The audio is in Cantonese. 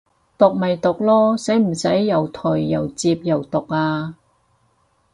毒咪毒囉，使唔使又頹又摺又毒啊